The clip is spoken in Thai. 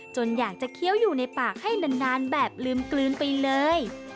อยากจะเคี้ยวอยู่ในปากให้นานแบบลืมกลืนไปเลย